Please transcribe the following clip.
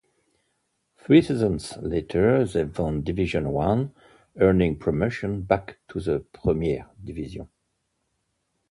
Three seasons later they won Division One, earning promotion back to the Premier Division.